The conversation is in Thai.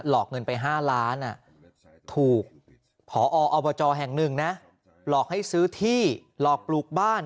อกเงินไป๕ล้านถูกพออบจแห่งหนึ่งนะหลอกให้ซื้อที่หลอกปลูกบ้าน